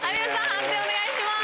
判定お願いします。